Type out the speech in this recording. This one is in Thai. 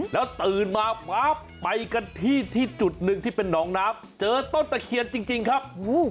แล้วตื่นมาปั๊บไปกันที่ที่จุดหนึ่งที่เป็นหนองน้ำเจอต้นตะเคียนจริงครับ